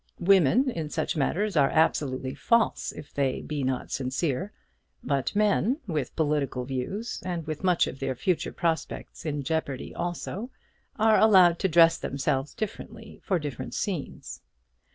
Women in such matters are absolutely false if they be not sincere; but men, with political views, and with much of their future prospects in jeopardy also, are allowed to dress themselves differently for different scenes.